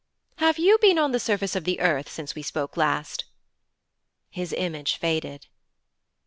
'Have you been on the surface of the earth since we spoke last?' His image faded.